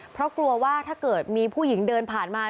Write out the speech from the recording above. เพราะกลัวว่าถ้าเกิดมีผู้หญิงเดินผ่านมา